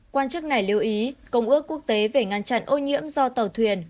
quan chức này lưu ý công ước quốc tế về ngăn chặn ô nhiễm do tàu thuyền